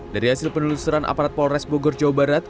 dari hasil penelusuran aparat polres bogor jawa barat